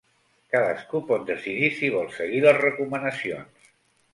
Cadascú pot decidir si vol seguir les recomanacions.